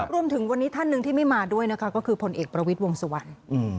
รวมถึงวันนี้ท่านหนึ่งที่ไม่มาด้วยนะคะก็คือผลเอกประวิทย์วงสุวรรณ